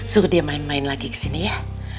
suhu dia main main lagi kesini ya